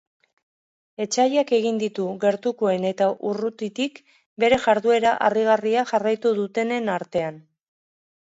Etsaiak egin ditu gertukoen eta urrutitik, bere jarduera harrigarria jarraitu dutenen artean.